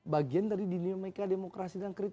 bagian dari dini meka demokrasi dan kritis